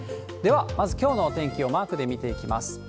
では、まずきょうのお天気をマークで見ていきます。